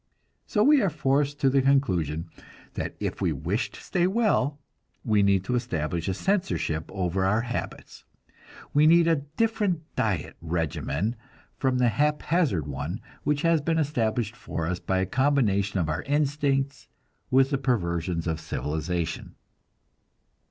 So we are forced to the conclusion that if we wish to stay well, we need to establish a censorship over our habits; we need a different diet regimen from the haphazard one which has been established for us by a combination of our instincts with the perversions of civilization.